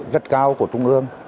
rất cao của trung ương